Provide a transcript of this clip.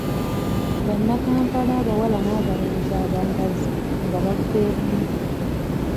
Bannakampala abawala n'abalenzi abambazi, nga baggweeramu.